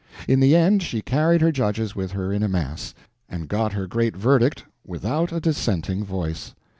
In the end, she carried her judges with her in a mass, and got her great verdict without a dissenting voice.